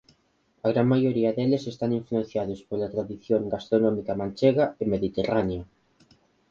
A gran maioría deles están influenciados pola tradición gastronómica manchega e mediterránea.